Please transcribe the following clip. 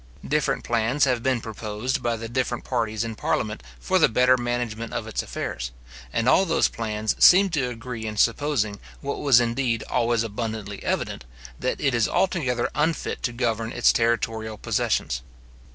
Different plans have been proposed by the different parties in parliament for the better management of its affairs; and all those plans seem to agree in supposing, what was indeed always abundantly evident, that it is altogether unfit to govern its territorial possessions.